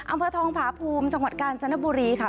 อำเภอทองผาภูมิจังหวัดกาญจนบุรีค่ะ